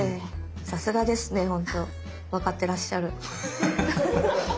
さすがですねほんと分かってらっしゃる。